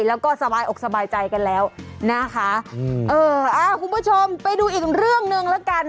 แล้วก็สบายอกสบายใจกันแล้วนะคะอืมเอออ่าคุณผู้ชมไปดูอีกเรื่องหนึ่งแล้วกัน